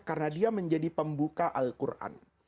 karena dia menjadi pembuka al quran